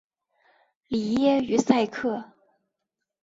里耶于塞克。